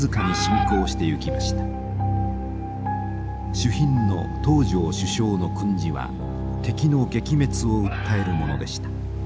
主賓の東條首相の訓示は敵の撃滅を訴えるものでした。